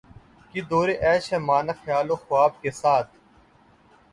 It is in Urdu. کہ دورِ عیش ہے مانا خیال و خواب کے ساتھ